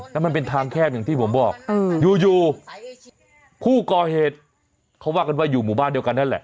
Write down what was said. แล้วมันเป็นทางแคบอย่างที่ผมบอกอยู่ผู้ก่อเหตุเขาว่ากันว่าอยู่หมู่บ้านเดียวกันนั่นแหละ